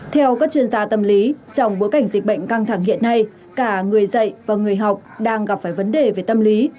theo các chuyên gia tâm lý trong bối cảnh dịch bệnh căng thẳng hiện nay cả người dạy và người học đang gặp phải vấn đề về tâm lý